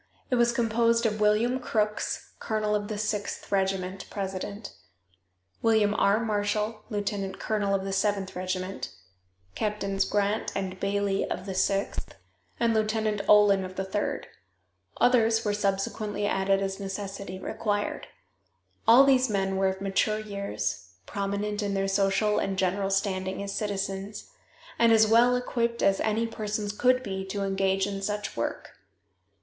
It was composed of William Crooks, colonel of the Sixth Regiment, president; William R. Marshall, lieutenant colonel of the Seventh Regiment; Captains Grant and Baily of the Sixth, and Lieutenant Olin of the Third. Others were subsequently added as necessity required. All these men were of mature years, prominent in their social and general standing as citizens, and as well equipped as any persons could be to engage in such work.